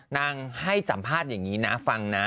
ให้สัมภาษณ์อย่างนี้นะฟังนะ